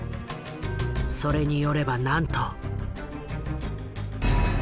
それによればなんと。